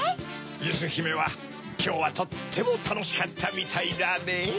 ゆずひめはきょうはとってもたのしかったみたいだねぇ。